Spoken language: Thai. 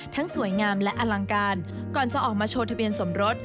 สวยงามและอลังการก่อนจะออกมาโชว์ทะเบียนสมรส